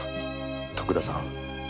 徳田さん。